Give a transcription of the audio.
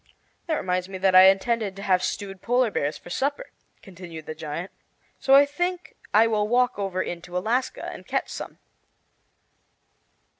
"That reminds me that I intended to have stewed polar bears for supper," continued the giant; "so I think I will walk over into Alaska and catch some."